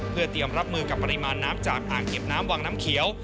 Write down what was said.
เพื่อเตรียมรับมือกับปริมาณน้ำจากอ่างเก็บน้ำวังน้ำเขียว